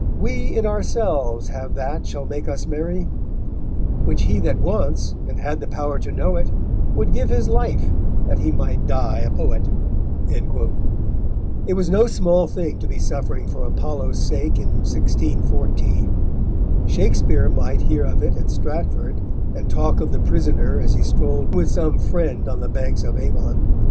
We in ourselves have that shall make us merry; Which he that wants and had the power to know it, Would give his life that he might die a poet_. It was no small thing to be suffering for Apollo's sake in 1614. Shakespeare might hear of it at Stratford, and talk of the prisoner as he strolled with some friend on the banks of Avon.